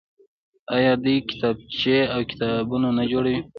آیا دوی کتابچې او پاکټونه نه جوړوي؟